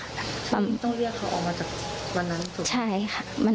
ปั๊มต้องเลือกเขาออกมาจากวันนั้นถูกใช่ค่ะ